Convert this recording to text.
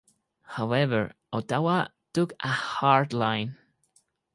However, Ottawa took a hard line.